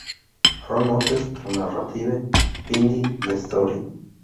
From Notes to Narrative: Finding the Story.